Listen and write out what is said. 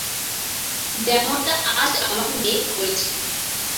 যেমনটা আজ আমার মেয়ে করেছে।